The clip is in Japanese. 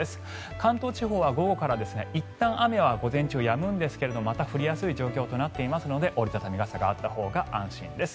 関東地方は午後からいったん雨は午前中、やむんですがまた降りやすい状況となっていますので折りたたみ傘があったほうが安心です。